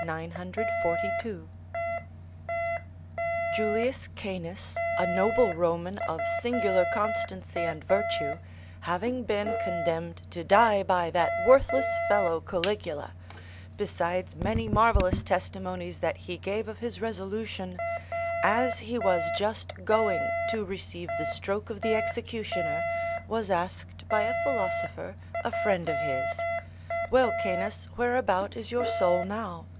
942] Julius Canus, a noble Roman, of singular constancy and virtue, having been condemned to die by that worthless fellow Caligula, besides many marvellous testimonies that he gave of his resolution, as he was just going to receive the stroke of the executioner, was asked by a philosopher, a friend of his: "Well, Canus, whereabout is your soul now?